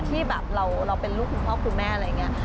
ที่เราเป็นลูกคุณพ่อและคุณแม่